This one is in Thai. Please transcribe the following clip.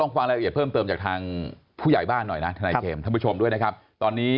ฟังรายละเอียดเพิ่มเติมจากทางผู้ใหญ่บ้านหน่อยนะทนายเจมส์ท่านผู้ชมด้วยนะครับตอนนี้